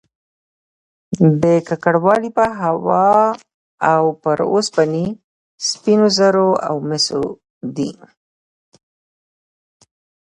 دا ککړوالی په هوا او پر اوسپنې، سپینو زرو او مسو دی